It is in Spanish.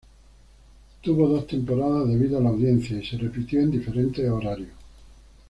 Tuvo dos temporadas debido a la audiencia, y se repitió en diferentes horarios.